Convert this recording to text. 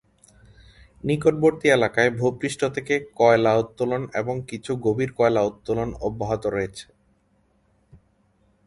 নিকটবর্তী এলাকায় ভূ-পৃষ্ঠ থেকে কয়লা উত্তোলন এবং কিছু গভীর কয়লা উত্তোলন অব্যাহত রয়েছে।